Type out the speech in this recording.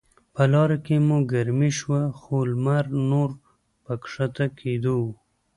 په لاره کې مو ګرمي شوه، خو لمر نور په کښته کیدو و.